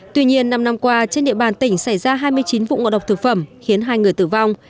tuy nhiên năm năm qua trên địa bàn tỉnh xảy ra hai mươi chín vụ ngộ độc thực phẩm khiến hai người tử vong